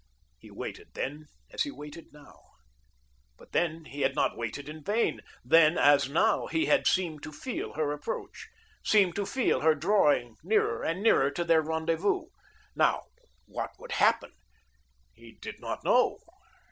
He waited then as he waited now. But then he had not waited in vain. Then, as now, he had seemed to feel her approach, seemed to feel her drawing nearer and nearer to their rendezvous. Now, what would happen? He did not know.